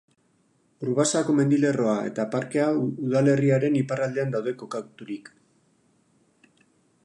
Urbasako mendilerroa eta parkea udalerriaren iparraldean daude kokaturik.